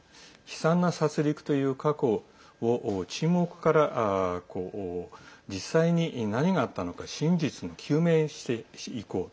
悲惨な殺りくという過去を沈黙から実際に何があったのか真実を究明していこう。